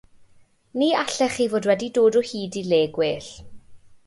Ni allech chi fod wedi dod o hyd i le gwell.